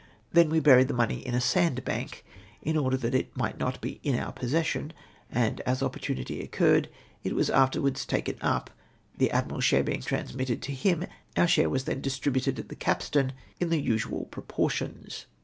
We then buried the money m a sand bank, in order that it might not be m our possession ; and, as opportunity occurred, it was afterwards taken up, the Admiral's share being transmitted to him, our share was then distributed at the capstan, hi the usual proportions.